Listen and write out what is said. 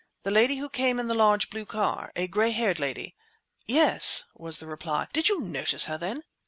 "The lady who came in the large blue car, a gray haired lady?" "Yes," was the reply, "did you notice her, then?"